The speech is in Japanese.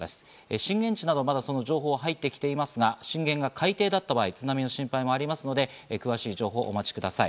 震源地など情報は入ってきていませんが、震源が海底だった場合、津波の可能性もあるので詳しい情報をお待ちください。